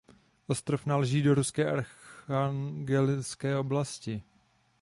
Ostrov náleží do ruské Archangelské oblasti.